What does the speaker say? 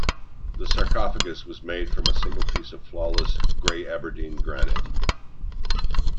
The sarcophagus was made from a single piece of flawless grey Aberdeen granite.